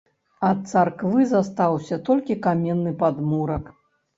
Ад царквы застаўся толькі каменны падмурак.